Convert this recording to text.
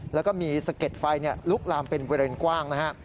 แล้วก็มีสะเก็ดไฟลุกลามเป็นเวลาเล็งกว้างนะฮะ